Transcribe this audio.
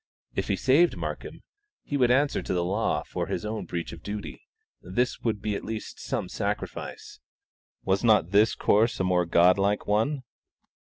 If he saved Markham, he would answer to the law for his own breach of duty this would be at least some sacrifice. Was not this course a more God like one?